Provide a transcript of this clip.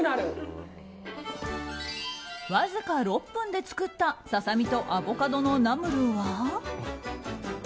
わずか６分で作ったささみとアボカドのナムルは？